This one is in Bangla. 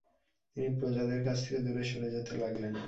তিনি প্রজাদের কাছ থেকে দূরে সরে যেতে লাগলেন।